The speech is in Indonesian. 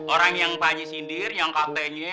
orang yang pak haji sindir yang katanya